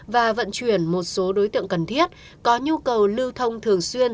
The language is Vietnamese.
và vận chuyển một số đối tượng cần thiết có nhu cầu lưu thông thường xuyên